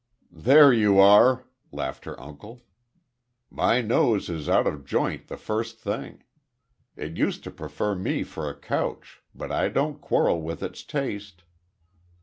"There you are," laughed her uncle. "My nose is out of joint the first thing. It used to prefer me for a couch, but I don't quarrel with its taste."